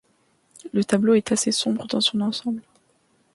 Le tableau est assez sombre dans son ensemble.